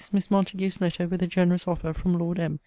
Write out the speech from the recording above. Miss Montague's letter, with a generous offer from Lord M.